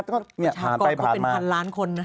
ชาติก่อนก็เป็นพันล้านคนนะ